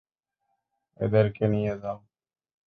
এদেরকে নিয়ে যাও।